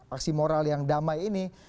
aksi moral yang damai ini